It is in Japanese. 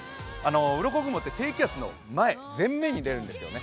うろこ雲って低気圧の前、前面に出るんですね。